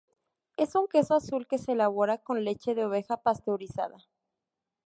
Es un queso azul que se elabora con leche de oveja pasteurizada.